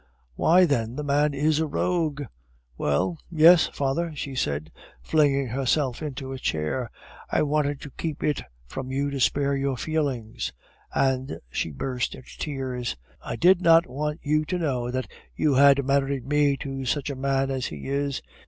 "Why, then, the man is a rogue?" "Well, yes, father," she said, flinging herself into a chair, "I wanted to keep it from you to spare your feelings," and she burst into tears; "I did not want you to know that you had married me to such a man as he is.